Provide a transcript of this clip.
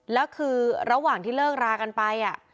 แล้วคือระหว่างที่เลิกรากันไป